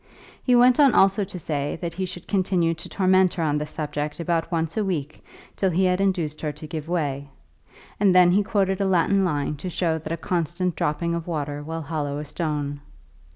He went on also to say that he should continue to torment her on the subject about once a week till he had induced her to give way; and then he quoted a Latin line to show that a constant dropping of water will hollow a stone.